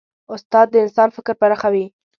استاد د انسان فکر پراخوي.